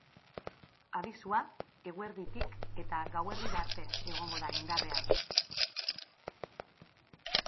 Abisua eguerditik eta gauerdira arte egongo da indarrean.